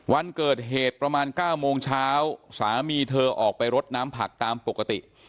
วันเกิดเหตุประมาณ๙โมงเช้าสามีเธอออกไปรดน้ำผักตามปกติ